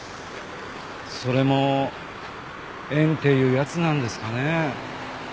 それも縁っていうやつなんですかね。